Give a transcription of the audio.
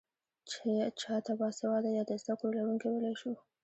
چا ته باسواده يا د زده کړو لرونکی ويلی شو؟